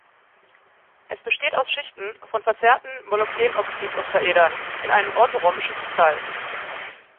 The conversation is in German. Es besteht aus Schichten von verzerrten MoO-Oktaedern in einem orthorhombischen Kristall.